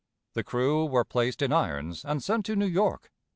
The crew were placed in irons and sent to New York.